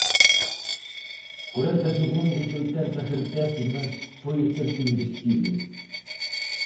Corenta segundos oitenta centésimas foi o tempo investido.